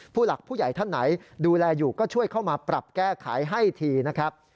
ผู้หลักผู้ใหญ่ท่านไหนดูแลอยู่ก็ช่วยเข้ามาปรับแก้ไขให้ทีนะครับ